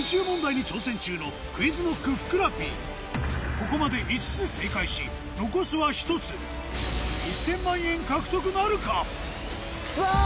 ここまで５つ正解し残すは１つさぁ